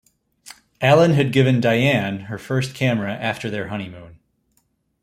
Allan had given Diane her first camera after their honeymoon.